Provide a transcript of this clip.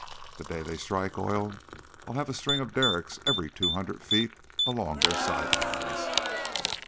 The day they strike oil I'll have a string of derricks every two hundred feet along their side lines."